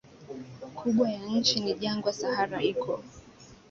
kubwa ya nchi ni jangwa Sahara iko